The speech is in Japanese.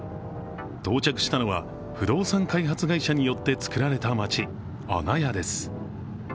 到着したのは不動産開発会社によってつくられた街、阿那亜です。